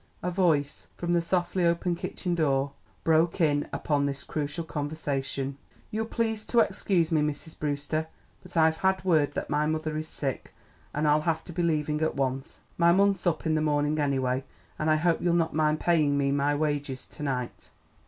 A voice from the softly opened kitchen door broke in upon, this crucial conversation. "You'll please to excuse me, Mrs. Brewster, but I've had word that my mother is sick, an' I'll have to be leaving at once. My month's up in the morning anyway, an' I hope you'll not mind paying me my wages to night."